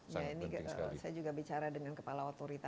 saya juga bicara dengan kepala otorita